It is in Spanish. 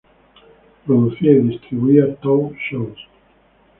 Producía y distribuía talk shows.